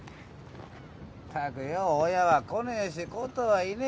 ったくよ親は来ねえしコトーはいねえしよ。